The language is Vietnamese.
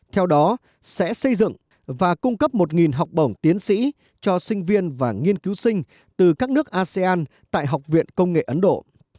theo đó sẽ xây dựng và cung cấp một học bổng tiến sĩ cho sinh viên và nghiên cứu sinh từ các nước asean tại học viện công nghệ ấn độ